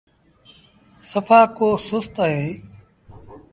سڦآ ڪو سُست اهيݩ۔